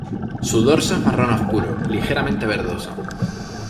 Su dorso es marrón oscuro, ligeramente verdoso.